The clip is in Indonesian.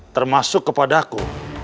termasuk kepada aku